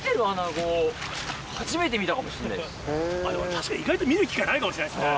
確かに意外と見る機会ないかもしれないですね。